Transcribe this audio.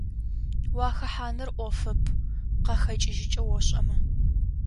Уахэхьаныр Iофэп къахэкIыжьыкIэ ошIэмэ.